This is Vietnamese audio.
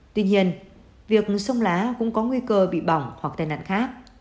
tuy nhiên việc sông lá cũng có nguy cơ bị bỏng hoặc tai nạn khác